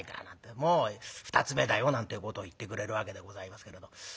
もう二つ目だよ」なんてえことを言ってくれるわけでございますけれど。